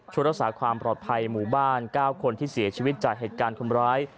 รักษาความปลอดภัยหมู่บ้าน๙คนที่เสียชีวิตจากเหตุการณ์คนร้าย